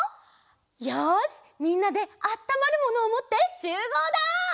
よしみんなであったまるものをもってしゅうごうだ！